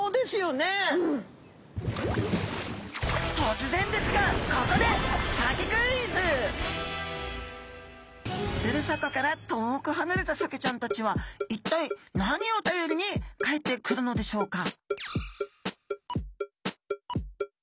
突然ですがここでふるさとから遠くはなれたサケちゃんたちは一体何を頼りに帰ってくるのでしょうか？